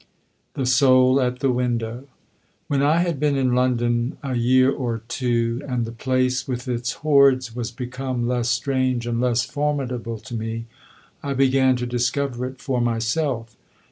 THE SOUL AT THE WINDOW When I had been in London a year or two, and the place with its hordes was become less strange and less formidable to me, I began to discover it for myself.